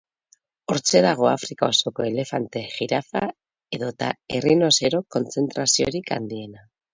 Hortxe dago Afrika osoko elefante, jirafa edota errinozero kontzentraziorik handiena.